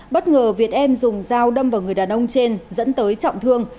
bất ngờ việt em dùng dao đâm vào người đàn ông trên dẫn tới trọng thương